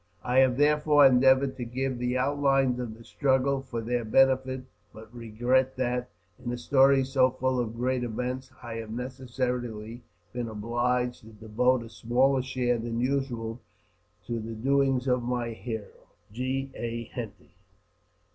I have therefore endeavoured to give the outlines of the struggle, for their benefit; but regret that, in a story so full of great events, I have necessarily been obliged to devote a smaller share than usual to the doings of my hero. G. A. Henty.